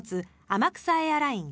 天草エアライン